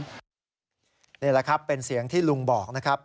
นี่แหละครับเป็นเสียงที่ลุงบอกนะครับ